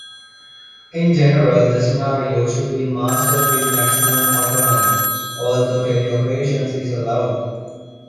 In general the scenarios should be mastered with maximum autonomy, although teleoperation is allowed.